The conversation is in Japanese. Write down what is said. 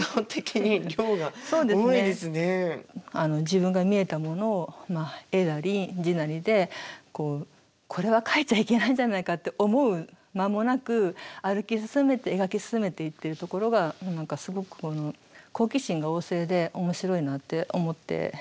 自分が見えたものを絵なり字なりでこれは描いちゃいけないんじゃないかって思う間もなく歩き進めて描き進めていってるところがすごく好奇心が旺盛で面白いなって思っていました。